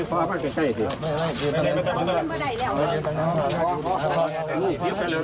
พ่อขอบคุณครับ